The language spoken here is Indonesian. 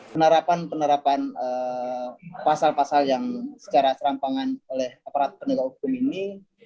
penerapan penerapan pasal pasal yang secara serampangan oleh aparat penegak hukum ini